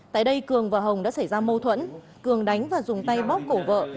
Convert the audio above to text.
tại đây cường và hồng đã xảy ra mâu thuẫn cường đánh và dùng tay bóc cổ vợ